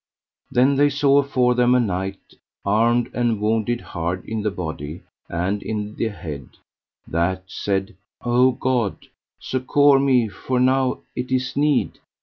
Then they saw afore them a knight armed and wounded hard in the body and in the head, that said: O God, succour me for now it is need.